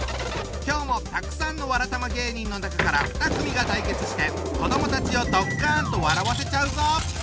今日もたくさんのわらたま芸人の中から２組が対決して子どもたちをドッカンと笑わせちゃうぞ！